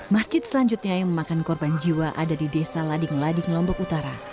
masjid selanjutnya yang memakan korban jiwa ada di desa lading lading lombok utara